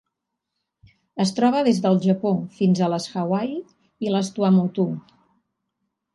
Es troba des del Japó fins a les Hawaii i les Tuamotu.